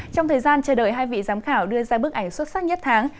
trong thời gian chờ đợi hai vị giám khảo đưa ra bức ảnh xuất sắc nhất tháng